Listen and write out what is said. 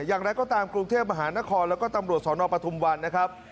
อย่างไรก็ตามกรุงเทพมหานครแล้วก็ตำรวจสนปทุมวันนะครับ